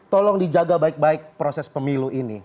tolong dijaga baik baik proses pemilu ini